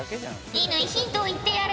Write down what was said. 乾ヒントを言ってやれ。